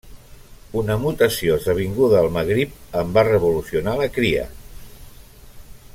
Una mutació esdevinguda al Magrib en va revolucionà la cria.